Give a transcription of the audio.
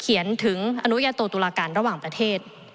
เขียนถึงอนุญาโตตุลาการระหว่างประเทศ